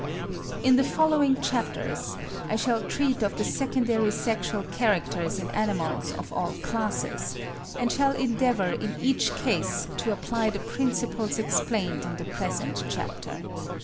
In the following chapters, I shall treat of the secondary sexual characters in animals of all classes, and shall endeavour in each case to apply the principles explained in the present chapter.